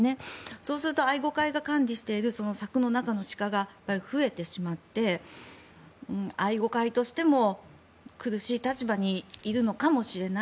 そうすると愛護会が管理している柵の中の鹿が増えてしまって愛護会としても苦しい立場にいるのかもしれない。